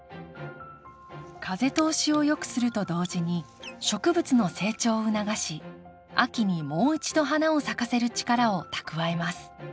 風通しをよくすると同時に植物の成長を促し秋にもう一度花を咲かせる力を蓄えます。